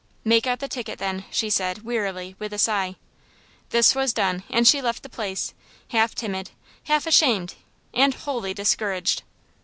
"Make out the ticket, then," she said, wearily, with a sigh. This was done, and she left the place, half timid, half ashamed, and wholly discouraged.